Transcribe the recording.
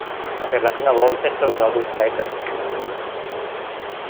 Per la prima volta è stato usato il tie-break.